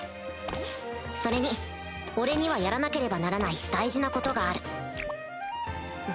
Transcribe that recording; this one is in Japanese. それに俺にはやらなければならない大事なことがある